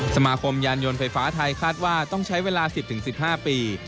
สมาคมยานยนต์ไฟฟ้าไทยคาดว่าต้องใช้เวลา๑๐๑๕ปี